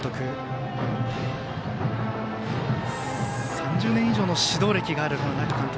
３０年以上の指導歴がある那賀監督